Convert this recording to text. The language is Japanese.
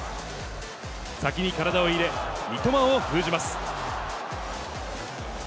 先に体を入れ、三笘を封じます。